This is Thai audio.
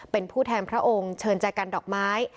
เป็นผู้แทนพระองค์เชิญใจกันดอกไม้